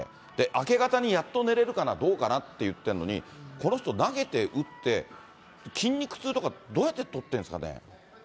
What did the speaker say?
明け方にやっと寝れるかな、どうかなって言ってるのに、この人、投げて打って、筋肉痛とか、どうやって取ってるんですかね？